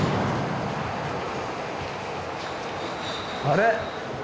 あれ？